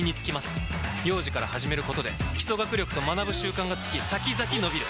幼児から始めることで基礎学力と学ぶ習慣がつき先々のびる！